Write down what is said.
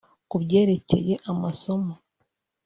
Ku byerekeye amasomo